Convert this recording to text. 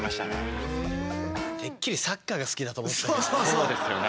そうですよね。